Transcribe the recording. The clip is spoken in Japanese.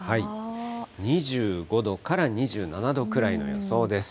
２５度から２７度くらいの予想です。